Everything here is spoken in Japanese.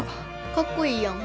かっこいいやん。